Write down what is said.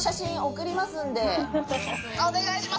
お願いします。